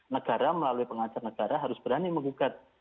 negara melalui pengacar negara harus berani menggugat